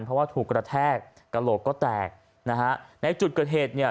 เพราะว่าถูกกระแทกกระโหลกก็แตกนะฮะในจุดเกิดเหตุเนี่ย